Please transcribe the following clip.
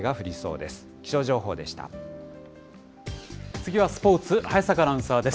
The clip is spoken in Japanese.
次はスポーツ、早坂アナウンサーです。